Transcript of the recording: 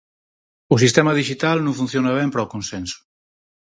O sistema dixital non funciona ben para o consenso.